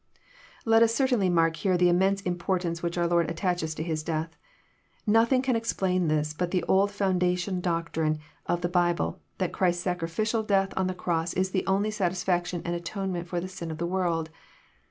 Let us catefhlly mark here the immense importance which our Lord attaches to His death. Nothing can explain this but the old foundation doctrine of the Bible, that Christ's sacriflcial death on the cross is the only satisfaction and atonement for the sin of the world.